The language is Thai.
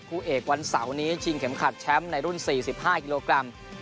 คู่เอกวันเสาร์นี้ชิงเข็มขัดแชมป์ในรุ่น๔๕กิโลกรัม